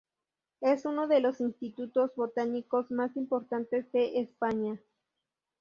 Es uno de los institutos botánicos más importantes de España.